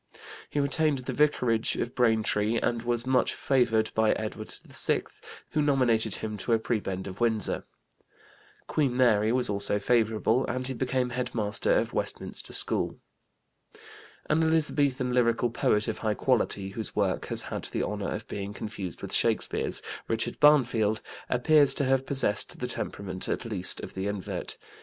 He retained the vicarage of Braintree, and was much favored by Edward VI, who nominated him to a prebend of Windsor. Queen Mary was also favorable and he became head master of Westminster School. An Elizabethan lyrical poet of high quality, whose work has had the honor of being confused with Shakespeare's, Richard Barnfield, appears to have possessed the temperament, at least, of the invert.